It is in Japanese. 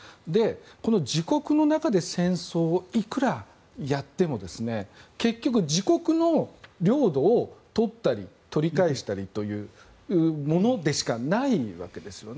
この自国の中で戦争をいくらやっても結局、自国の領土を取ったり、取り返したりというものでしかないわけですよね。